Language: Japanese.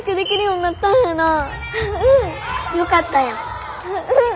うん！よかったやん。